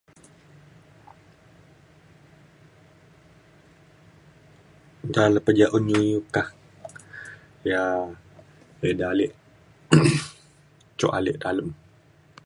nta le pe ja un iu iu [unintelligible] yak ida ale cuk ale dalem